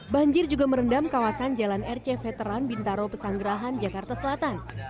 banjir juga merendam kawasan jalan rc veteran bintaro pesanggerahan jakarta selatan